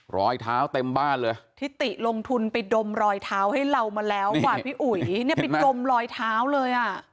รอยเท้าเต็มบ้านเลยทิติลงทุนไปดมรอยเท้าให้เรามาแล้วค่ะพี่อุ๋ยเนี่ยไปดมรอยเท้าเลยอ่ะ